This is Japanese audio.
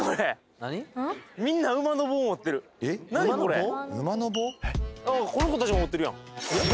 これこの子たちも持ってるやん何？